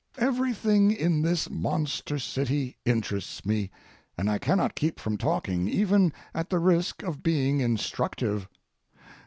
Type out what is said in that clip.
Everything in this monster city interests me, and I cannot keep from talking, even at the risk of being instructive.